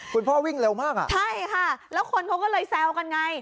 คุณพ่อวิ่งเร็วมากอ่ะใช่ค่ะแล้วคนเขาก็เลยแซวกันไง